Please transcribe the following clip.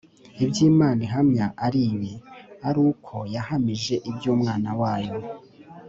ibyo Imana ihamya ari ibi, ari uko yahamije iby'Umwana wayo.